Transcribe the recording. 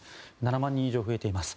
７万人以上増えています。